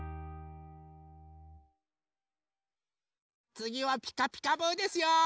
つぎは「ピカピカブ！」ですよ。